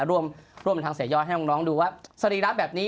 ร่วมทางเสียยอดให้น้องดูว่าสรีระแบบนี้